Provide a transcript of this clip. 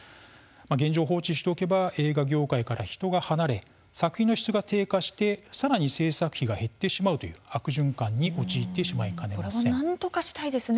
現状を放置しておけば映画業界から人が離れ作品の質が低下してさらに制作費が減ってしまうというとなんとかしたいですよね。